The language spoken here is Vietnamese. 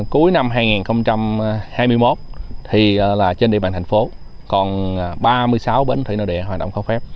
cuối năm hai nghìn hai mươi một trên địa bàn thành phố còn ba mươi sáu bến thủy nội địa hoạt động không phép